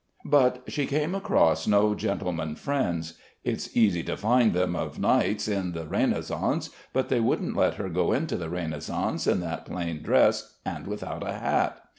But she came across no gentleman Mends. It's easy to find them of nights in the Renaissance, but they wouldn't let her go into the Renaissance in that plain dress and without a hat.